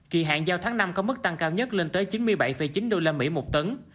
kỳ hạn giao tháng năm có mức tăng cao nhất lên tới chín mươi bảy chín usd một tấn